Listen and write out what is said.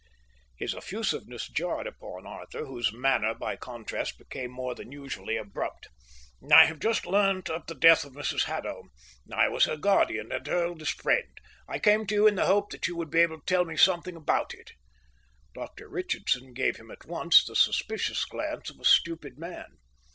His effusiveness jarred upon Arthur, whose manner by contrast became more than usually abrupt. "I have just learnt of the death of Mrs Haddo. I was her guardian and her oldest friend. I came to you in the hope that you would be able to tell me something about it." Dr Richardson gave him at once, the suspicious glance of a stupid man.